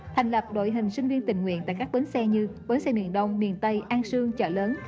thành lập đội hình sinh viên tình nguyện tại các bến xe như bến xe miền đông miền tây an sương chợ lớn